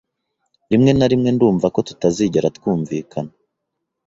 Rimwe na rimwe ndumva ko tutazigera twumvikana.